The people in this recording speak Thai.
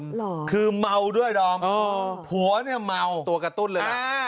เหรอคือเมาด้วยดอมผัวเนี่ยเมาตัวกระตุ้นเลยอ่า